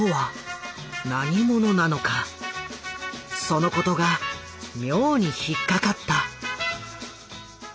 そのことが妙に引っ掛かった。